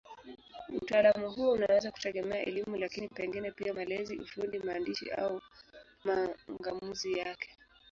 Utaalamu huo unaweza kutegemea elimu, lakini pengine pia malezi, ufundi, maandishi au mang'amuzi yake.